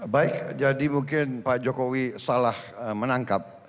baik jadi mungkin pak jokowi salah menangkap